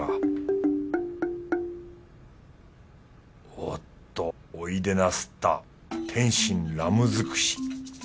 おっとおいでなすった点心ラム尽くし。